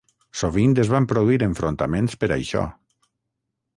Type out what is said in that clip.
Sovint es van produir enfrontaments per això.